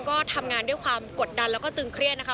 ก็ทำงานด้วยความกดดันแล้วก็ตึงเครียดนะคะ